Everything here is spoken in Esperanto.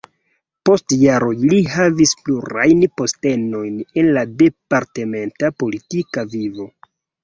Post jaroj li havis plurajn postenojn en la departementa politika vivo.